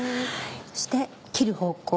そして切る方向。